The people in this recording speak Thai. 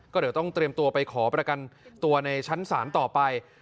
ก็เดี๋ยวต้องเตรียมตัวไปขอประกันตัวในชั้นศาลต่อไป